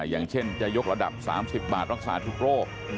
อย่างเช่นจะยกระดับ๓๐บาทรักษาทุกโรค